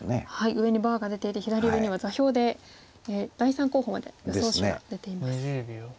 上にバーが出ていて左上には座標で第３候補まで予想手が出ています。